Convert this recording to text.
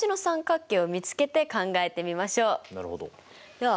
では